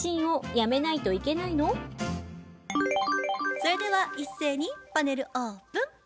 それでは一斉にパネルオープン。